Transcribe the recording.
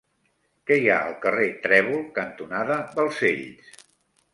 Què hi ha al carrer Trèvol cantonada Balcells?